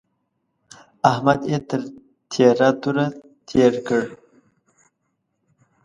احمد يې تر تېره توره تېر کړ.